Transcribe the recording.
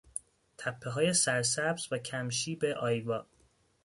تپههای سرسبز و کم شیب آیوا